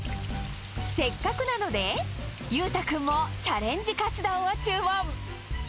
せっかくなので、裕太君もチャレンジカツ丼を注文。